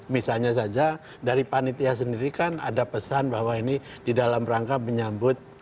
misalnya saja dari panitia sendiri kan ada pesan bahwa ini di dalam rangka menyambut